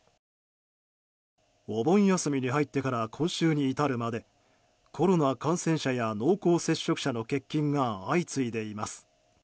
お盆休みに入ってから今週に至るまでコロナ感染者や濃厚接触者の欠勤が相次いでいます。